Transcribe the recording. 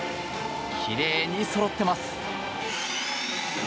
きれいにそろってます。